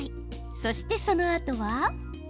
そして、そのあとは。